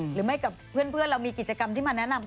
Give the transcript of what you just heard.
หรือไม่กับเพื่อนเรามีกิจกรรมที่มาแนะนำ